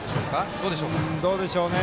どうでしょうね。